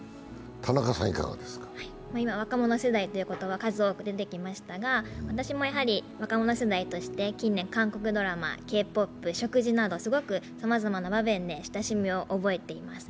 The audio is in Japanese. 今、若者世代という言葉が数多く出てきましたが私も若者世代として近年、韓国ドラマ、Ｋ−ＰＯＰ、食事など、すごくさまざまな場面で親しみを覚えています。